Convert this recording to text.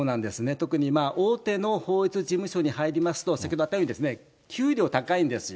特に大手の法律事務所に入りますと、先ほども言ったように、給料高いんですよ。